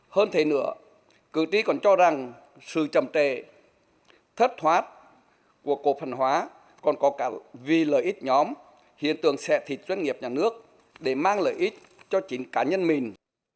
hơn thế nữa cử tri còn cho rằng sự trầm trệ thất thoát của cổ phần hóa còn có cả vì lợi ích nhóm hiện tượng xẹ thịt doanh nghiệp nhà nước để mang lợi ích cho chính cá nhân mình